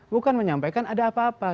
bukan menyampaikan ada apa apa